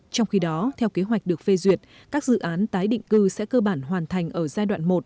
trong khi đó theo kế hoạch được phê duyệt các dự án tái định cư sẽ cơ bản hoàn thành ở giai đoạn một